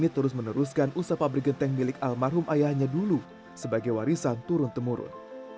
terus meneruskan usaha pabrik genteng milik almarhum ayahnya dulu sebagai warisan turun temurun